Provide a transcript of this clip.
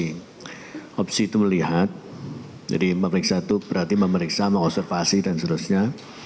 jadi opsi itu melihat jadi memeriksa itu berarti memeriksa mengonservasi dan seterusnya